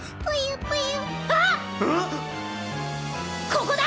ここだ。